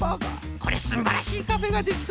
これはすんばらしいカフェができそうじゃ！